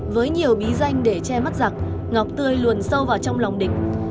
với nhiều bí danh để che mắt giặc ngọc tươi luồn sâu vào trong lòng địch